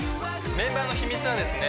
メンバーの秘密はですね